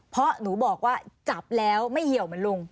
เพราะหนูบอกว่าจับแล้วไม่เหี่ยวเหมือนลุง